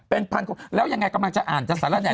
เป็นพันคนแล้วยังไงกำลังจะอ่านจากสาระเนี่ย